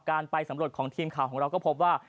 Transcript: ไปสำรวจของทีมข่าวของเราก็พบว่า